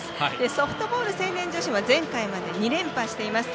ソフトボール成年女子は前回まで２連覇しています。